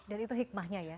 dan itu hikmahnya ya